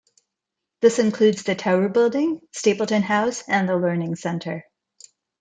This includes the Tower building, Stapleton House and the Learning Centre.